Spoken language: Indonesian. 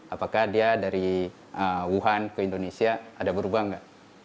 apakah dia dari wuhan ke indonesia ada berubah nggak